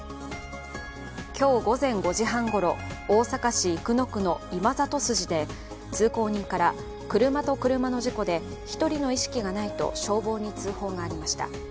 今日、午前５時半ごろ大阪市生野区の今里筋で通行人から、車と車の事故で１人の意識がないと消防に通報がありました。